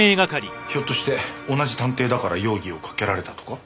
ひょっとして同じ探偵だから容疑をかけられたとか？